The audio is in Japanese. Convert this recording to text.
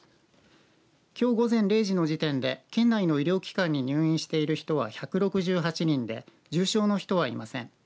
きょう午前０時の時点で県内の医療機関に入院している人は１６８人で重症の人はいません。